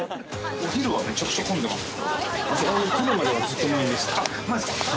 お昼はめっちゃくちゃ混んでますよ。